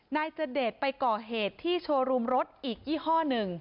นายเจเดชไปก่อเหตุที่โชว์รูมรถอีกยี่ห้อหนึ่ง